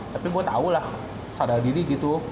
tapi gue tau lah sadar gini gitu